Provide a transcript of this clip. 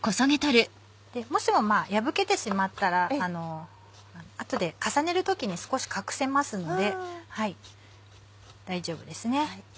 もしも破けてしまったらあとで重ねる時に少し隠せますので大丈夫です。